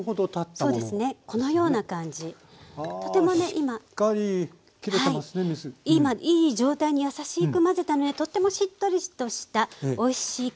今いい状態に優しく混ぜたのでとてもしっとりとしたおいしい感じに仕上がってます。